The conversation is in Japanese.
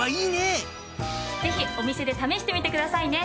ぜひお店で試してみてくださいね。